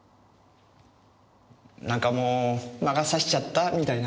なんかもう魔が差しちゃったみたいな。